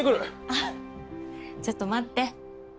あっちょっと待って。